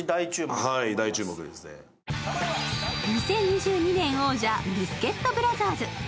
２０２２年王者、ビスケットブラザーズ。